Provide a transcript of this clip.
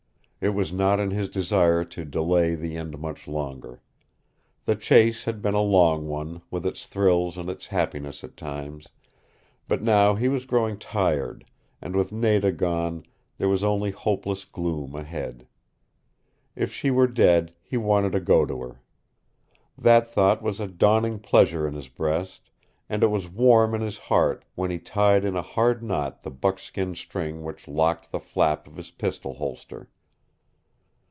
It was not in his desire to delay the end much longer. The chase had been a long one, with its thrills and its happiness at times, but now he was growing tired and with Nada gone there was only hopeless gloom ahead. If she were dead he wanted to go to her. That thought was a dawning pleasure in his breast, and it was warm in his heart when he tied in a hard knot the buckskin string which locked the flap of his pistol holster.